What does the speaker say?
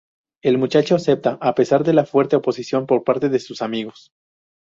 El muchacho acepta, a pesar de la fuerte oposición por parte de sus amigos.